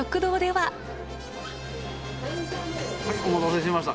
はいお待たせしました。